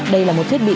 đây là một thiết bị